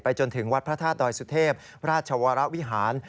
จนถึงวัดพระธาตุดอยสุเทพราชวรวิหาร